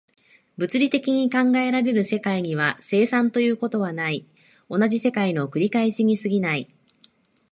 物理的に考えられる世界には、生産ということはない、同じ世界の繰り返しに過ぎない。